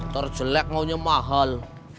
terjelek maunya mahal